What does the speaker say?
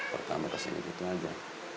pertama kesini gitu aja